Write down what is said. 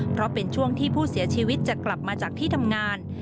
เพราะเป็นช่วงที่ผู้เสียชีวิตจะกลับมาจากที่ทำงาน